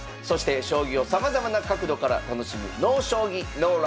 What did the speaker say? そして将棋をさまざまな角度から楽しむ「ＮＯ将棋ＮＯＬＩＦＥ」。